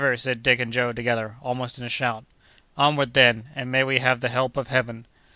said Dick and Joe together, almost in a shout. "Onward, then, and may we have the help of Heaven!"